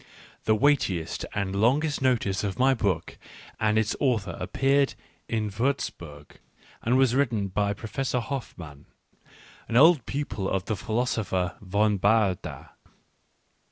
The weightiest and longest notice of my book and its author appeared in Wurzburg, and was written by Professor Hoff mann, an old pupil of the philosopher von Baader.